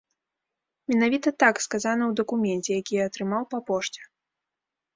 Менавіта так сказана ў дакуменце, які я атрымаў па пошце.